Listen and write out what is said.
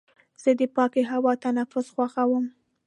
زه د پاکې هوا تنفس خوښوم.